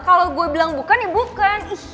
kalau gue bilang bukan ya bukan